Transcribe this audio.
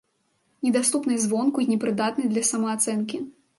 Недаступнай звонку й непрыдатнай для самаацэнкі.